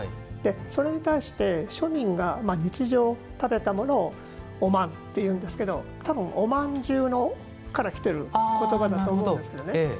それに対して庶民が日常に食べたものをおまんって言うんですけどおまんじゅうからきてる言葉だと思うんですけどね。